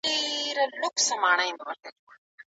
موږ د استاد له آثارو څخه ډېر نوي درسونه زده کوو.